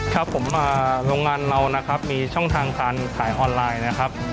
ครับผมโรงงานเรานะครับมีช่องทางการขายออนไลน์นะครับ